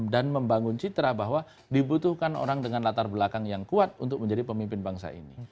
dan membangun citra bahwa dibutuhkan orang dengan latar belakang yang kuat untuk menjadi pemimpin bangsa ini